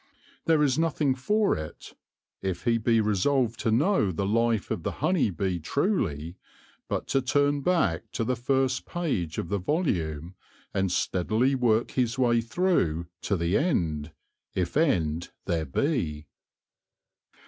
There is nothing for it — if he be resolved to know the life of the honey bee truly — but to turn back to the first page of the volume, and steadily work his way through to the end — if end there be.